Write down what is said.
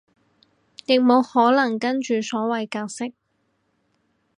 亦無可能跟住所謂格式